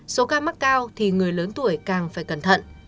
số ca mắc cao thì người lớn tuổi càng phải cẩn thận